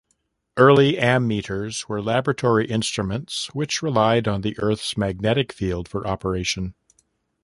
Early ammeters were laboratory instruments which relied on the Earth's magnetic field for operation.